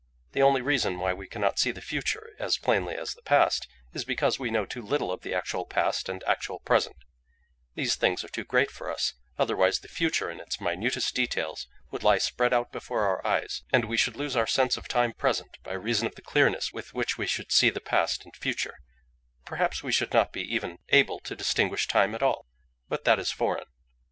The only reason why we cannot see the future as plainly as the past, is because we know too little of the actual past and actual present; these things are too great for us, otherwise the future, in its minutest details, would lie spread out before our eyes, and we should lose our sense of time present by reason of the clearness with which we should see the past and future; perhaps we should not be even able to distinguish time at all; but that is foreign.